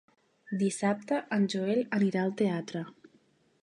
Dissabte en Joel anirà al teatre.